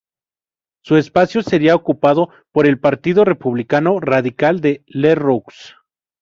Su espacio sería ocupado por el Partido Republicano Radical de Lerroux.